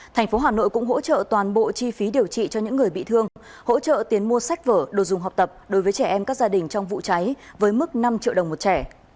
thành phố hà nội cũng hỗ trợ toàn bộ chi phí điều trị cho những người bị thương hỗ trợ tiền mua sách vở đồ dùng học tập đối với trẻ em các gia đình trong vụ cháy với mức năm triệu đồng một trẻ